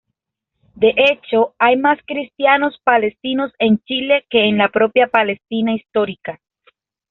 De hecho, hay más cristianos palestinos en Chile que en la propia Palestina histórica.